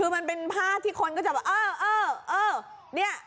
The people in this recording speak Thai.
คือมันเป็นภาพที่คนก็จะแบบเออเออเนี่ย